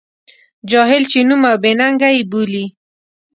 جاهل، بې نوم او بې ننګه یې بولي.